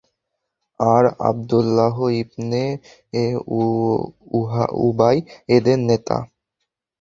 আর Abdullah ibn Ubayy এদের নেতা।